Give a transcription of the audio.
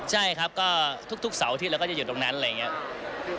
ใช่ครับก็ทุกเสาที่เราก็จะอยู่ตรงนั้นอะไรอย่างนี้